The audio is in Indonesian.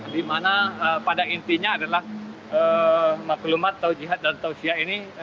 dimana pada intinya adalah maklumat tau jihad dan tau syiah